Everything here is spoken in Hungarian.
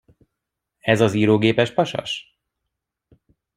Ez az írógépes pasas?